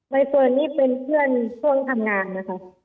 ใบเฟิร์นนี่เป็นเพื่อนช่วงทำงานนะคะ